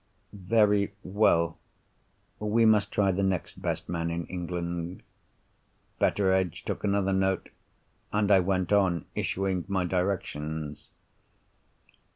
"Very well. We must try the next best man in England." Betteredge took another note; and I went on issuing my directions.